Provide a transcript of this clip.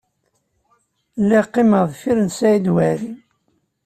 Lliɣ qqimeɣ deffir Saɛid Waɛli.